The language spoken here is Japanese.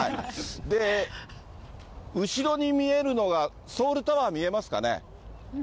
で、後ろに見えるのが、ソウルタワー、見えますかね。